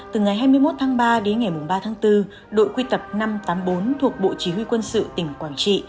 từ ngày hai mươi một tháng ba đến ngày ba tháng bốn đội quy tập năm trăm tám mươi bốn thuộc bộ chỉ huy quân sự tỉnh quảng trị